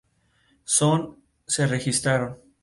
Zone se registraron.